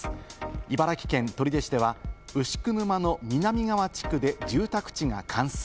茨城県取手市では牛久沼の南側地区で住宅地が冠水。